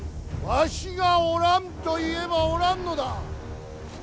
わしがおらんと言えばおらんのだ。